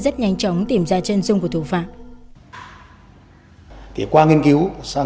xác định đây có thể là mấu chốt của vụ án